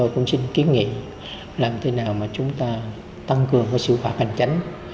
chúng ta có kiến nghị làm thế nào mà chúng ta tăng cường sự khỏe hành tránh